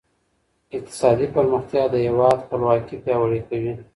اقتصادي پرمختيا د هېواد خپلواکي پياوړې کوي.